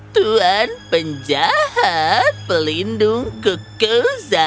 tuan penjahat pelindung kekuza